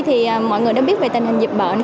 thì mọi người đã biết về tình hình dịch bệnh